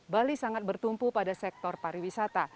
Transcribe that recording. bali sangat bertumpu pada sektor pariwisata